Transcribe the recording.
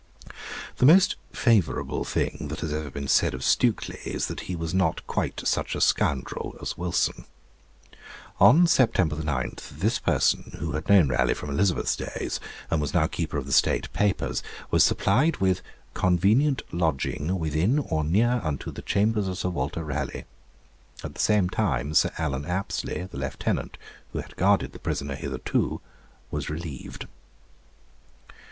The most favourable thing that has ever been said of Stukely is that he was not quite such a scoundrel as Wilson. On September 9 this person, who had known Raleigh from Elizabeth's days, and was now Keeper of the State Papers, was supplied with 'convenient lodging within or near unto the chambers of Sir Walter Raleigh.' At the same time Sir Allen Apsley, the Lieutenant, who had guarded the prisoner hitherto, was relieved.